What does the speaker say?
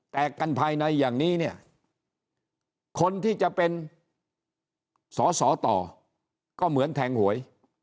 แต่กันภายในอย่างนี้เนี่ยคนที่จะเป็นสอสอต่อก็เหมือนแทงหวย